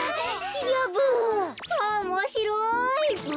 おもしろいブ。